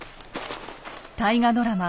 大河ドラマ